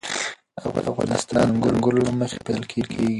افغانستان د انګور له مخې پېژندل کېږي.